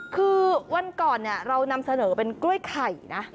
คือวันก่อนเรานำเสนอเป็นกล้วยไข่นะ